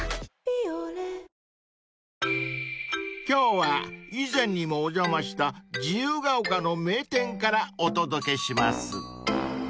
［今日は以前にもお邪魔した自由が丘の名店からお届けします］